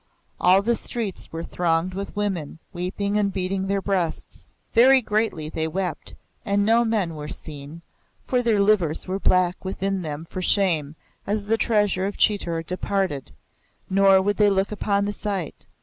All the streets were thronged with women, weeping and beating their breasts. Very greatly they wept, and no men were seen, for their livers were black within them for shame as the Treasure of Chitor departed, nor would they look upon the sight.